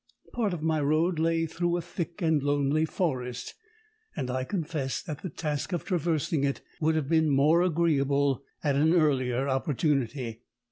Part of my road lay through a thick and lonely forest, and I confess that the task of traversing it would have been more agreeable at an earlier opportunity.